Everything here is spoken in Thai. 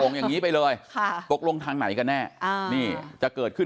กรบตรงทางไหนกันแน่